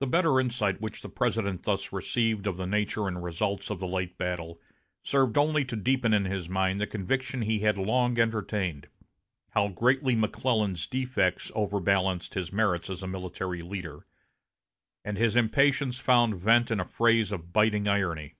The better insight which the President thus received of the nature and results of the late battle served only to deepen in his mind the conviction he had long entertained how greatly McClellan's defects overbalanced his merits as a military leader; and his impatience found vent in a phrase of biting irony.